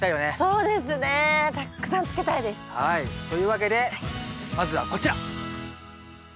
というわけでまずはこちら！